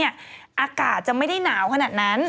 อากาศจะไม่ได้หนาวขนาดนั้น